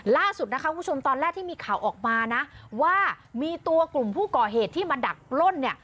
ล่าสุดนะคะคุณผู้ชมตอนแรกที่มีข่าวออกมานะว่ามีตัวกลุ่มผู้ก่อเหตุที่มาดักปล้นเนี่ย